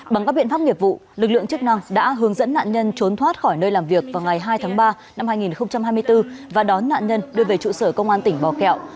bằng các biện pháp nghiệp vụ lực lượng chức năng đã hướng dẫn nạn nhân trốn thoát khỏi nơi làm việc vào ngày hai tháng ba năm hai nghìn hai mươi bốn và đón nạn nhân đưa về trụ sở công an tỉnh bò kẹo